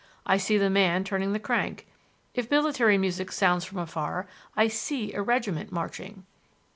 I see the man turning the crank. If military music sounds from afar, I see a regiment marching."